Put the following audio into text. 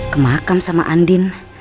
kemakam sama andin